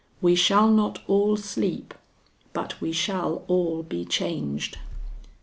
We shall not all sleep, but we shall all be changed."